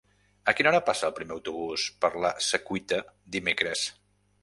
A quina hora passa el primer autobús per la Secuita dimecres?